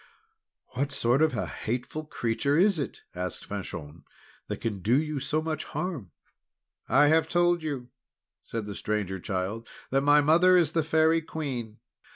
"What sort of a hateful creature is it," asked Fanchon, "that can do you so much harm?" "I have told you," said the Stranger Child, "that my mother is the Fairy Queen.